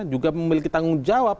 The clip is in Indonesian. juga memiliki tanggung jawab